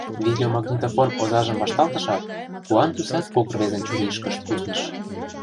Видеомагнитофон озажым вашталтышат, куан тӱсат кок рвезын чурийышкышт кусныш.